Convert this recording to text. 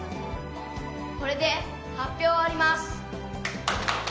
これで発表を終わります。